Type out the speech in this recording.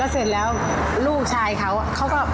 เสร็จแล้วลูกชายเขาเขาก็